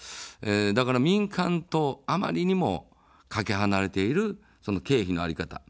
だから民間とあまりにもかけ離れている経費の在り方。